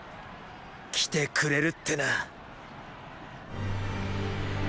来てくれるってな。